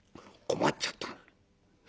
困っちゃった。